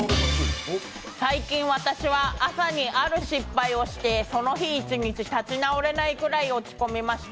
最近私は、朝にある失敗をしてその日１日、立ち直れないぐらい落ち込みました。